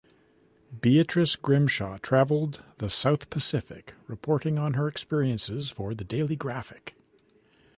Beatrice Grimshaw travelled the South Pacific reporting on her experiences for the "Daily Graphic".